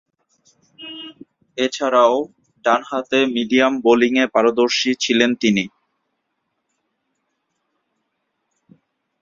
এছাড়াও, ডানহাতে মিডিয়াম বোলিংয়ে পারদর্শী ছিলেন তিনি।